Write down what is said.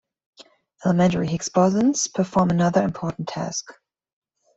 Elementary Higgs bosons perform another important task.